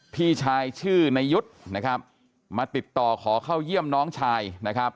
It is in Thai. พี่ชายชื่อนายยุทธ์นะครับมาติดต่อขอเข้าเยี่ยมน้องชายนะครับ